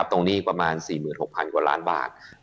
หนี้ประมาณ๔๖๐๐กว่าล้านบาท